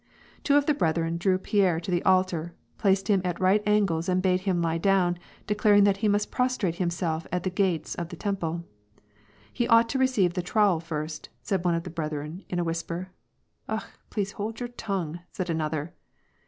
Two of the brethren drew Pierre to the altar^ placed him at right angles, and bade him lie down, declaring that he must prostrate himself at the Gates of the Temple. '^ He ought to receive the trowel first/' said one of the breth ren, in a whisper. " Akh ! please hold your tongue," said another.